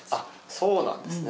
そうなんですね。